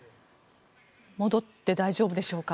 戻って大丈夫でしょうか。